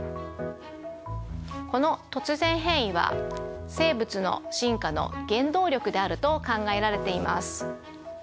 この突然変異は生物の進化の原動力であると考えられています。